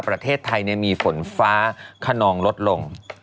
ประเทศไทยมีฝนฟ้าขนองลดลง